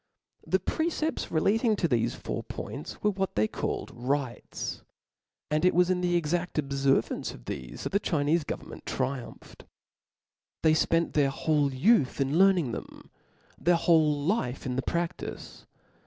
The precepts relating to^Yj^" thefe four points were what they called rites ; and gives us it was in the exaft obfcrvance of thcfe, that the|,^™*^^^*'jj^ Chinefe government triumphed. They fpent theirtmas. whole youth in learning them, their whole life in the pradice.